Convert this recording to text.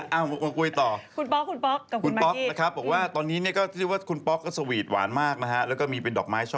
เอ้าบอกมาคุยต่อคุณป๊อกกับคุณมักกี้นะครับ